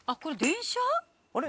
あれ？